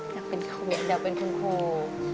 อยากเป็นครูอันเดียวเป็นคุณครู